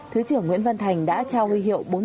thứ trưởng nguyễn văn thành đã trao huy hiệu